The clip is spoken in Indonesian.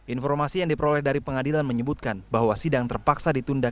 informasi yang diperoleh dari pengadilan menyebutkan bahwa sidang terpaksa ditunda